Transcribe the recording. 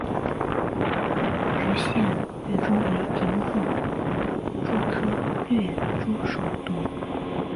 石隙掠蛛为平腹蛛科掠蛛属的动物。